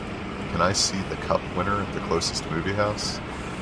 Can I see The Cup Winner at the closest movie house